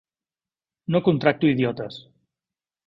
No contracto idiotes.